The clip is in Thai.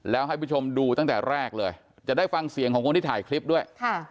แล้วให้ผู้ชมดูตั้งแต่แรกเลยจะได้ฟังเสียงของคนที่ถ่ายคลิปด้วยค่ะ